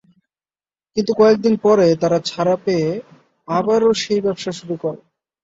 কিন্তু কয়েক দিন পরে তারা ছাড়া পেয়ে আবারও সেই ব্যবসা শুরু করে।